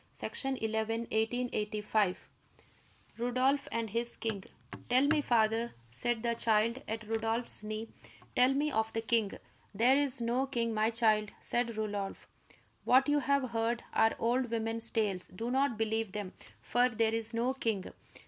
1885 +RODOLPH AND HIS KING+ RODOLPH AND HIS KING "Tell me, Father," said the child at Rodolph's knee, "tell me of the king." "There is no king, my child," said Rodolph. "What you have heard are old women's tales. Do not believe them, for there is no king."